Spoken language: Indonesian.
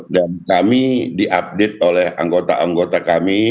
dan kami diupdate oleh anggota anggota kami